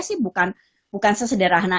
sih bukan sesederhana